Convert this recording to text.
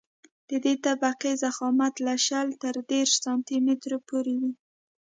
د دې طبقې ضخامت له شل تر دېرش سانتي مترو پورې وي